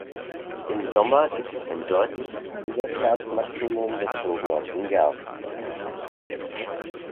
Im Sommer gibt es ein deutliches Niederschlagsmaximum bezogen auf den Jahresverlauf.